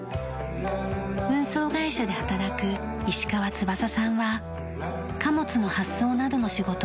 運送会社で働く石川翼さんは貨物の発送などの仕事をしています。